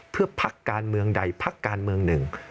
เพื่อพักการเมืองใดพักการเมืองหนึ่ง